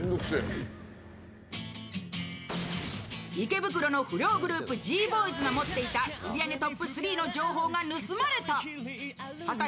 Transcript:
池袋の不良グループ、Ｇボーイズが持っていた売り上げトップ３の情報が盗まれた。